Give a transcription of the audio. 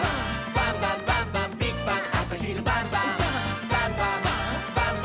「バンバンバンバンビッグバン！」